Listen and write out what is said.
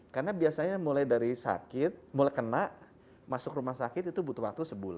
karena biasanya mulai dari sakit mulai kena masuk rumah sakit itu butuh waktu sebulan